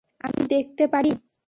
আমি দেখতে পারি?